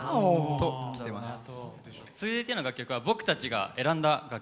続いての楽曲は僕たちが選んだ楽曲になります。